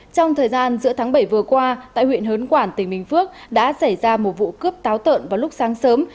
trong thời gian giữa tháng bảy vừa qua tại huyện hớn quản tỉnh bình phước đã xảy ra một vụ cướp táo tợn vào lúc sáng sớm